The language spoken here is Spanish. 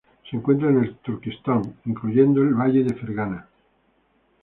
Se encuentra en el Turquestán, incluyendo el Valle de Fergana.